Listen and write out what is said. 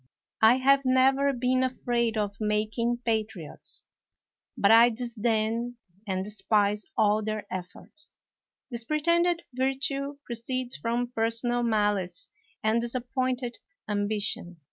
I have never been afraid of making patriots; but I disdain and despise all their ef forts. This pretended virtue proceeds from personal malice and disappointed ambition.